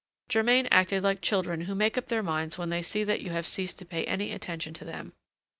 Germain acted like children who make up their minds when they see that you have ceased to pay any attention to them.